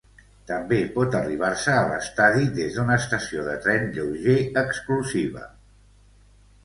També pot arribar-se a l'estadi des d'una estació de tren lleuger exclusiva.